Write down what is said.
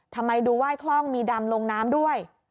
ทำไมดูไห้คล่องมีดำลงน้ำด้วย